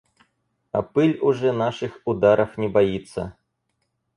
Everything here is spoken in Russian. А пыль уже наших ударов не боится.